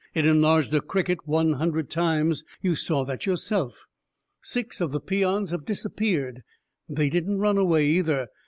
It enlarged a cricket one hundred times. You saw that yourself. Six of the peons have disappeared they didn't run away, either.